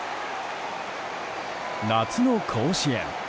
夏の甲子園。